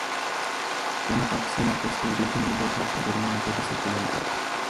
কেন পারছে না টেস্টের দীর্ঘ মেয়াদে ভরসা জাগানোর মতো পেসার তুলে আনতে?